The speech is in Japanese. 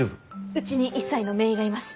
うちに１歳の姪がいます。